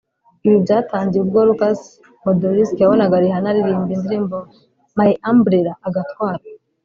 Ibi byatangiye ubwo Lukas Podolski yabonaga Rihanna aririmba indirimbo “My Umbrella” agatwarwa